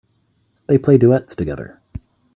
They play duets together.